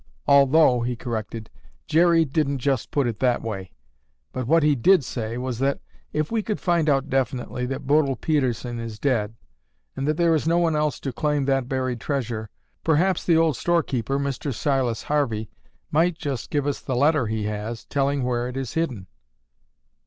Although," he corrected, "Jerry didn't just put it that way. But what he did say was that if we could find out definitely that Bodil Pedersen is dead and that there is no one else to claim that buried treasure, perhaps the old storekeeper, Mr. Silas Harvey, might give us the letter he has, telling where it is hidden."